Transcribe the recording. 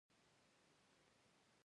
د توکو پانګه د پیسو په پانګه بدلېږي